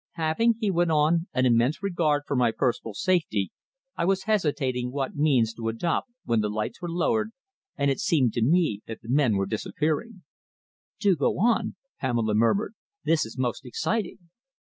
Having," he went on, "an immense regard for my personal safety, I was hesitating what means to adopt when the lights were lowered, and it seemed to me that the men were disappearing." "Do go on," Pamela murmured. "This is most exciting."